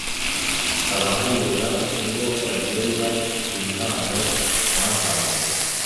Abahanura nibo bagenga impano bahawe.